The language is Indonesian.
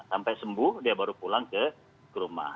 sampai sembuh dia baru pulang ke rumah